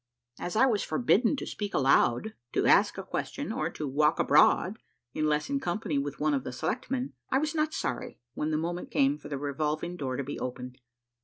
As I was forbidden to speak aloud, to ask a question, or to walk abroad unless in company with one of the selectmen, I was not sorry when the moment came for the revolving door to be opened.